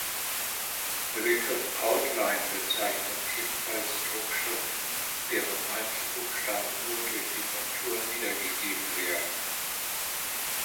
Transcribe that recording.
Der Begriff Outline bezeichnet ebenfalls Druckschriften, deren Einzelbuchstaben nur durch die Kontur wiedergegeben werden.